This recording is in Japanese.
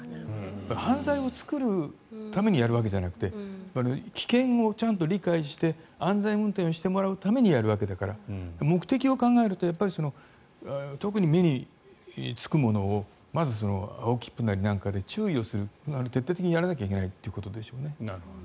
犯罪を作るためにやるわけじゃなくて危険をちゃんと理解して安全運転をしてもらうためにやるわけだから、目的を考えると特に目につくものをまず、青切符なりで注意をするのを徹底的にやらなきゃいけないということですね。